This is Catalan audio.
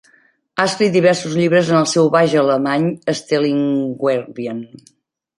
Ha escrit diversos llibres en el seu baix alemany Stellingwervian.